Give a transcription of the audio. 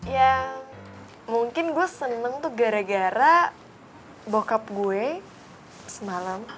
yang mungkin gue seneng tuh gara gara bokap gue semalam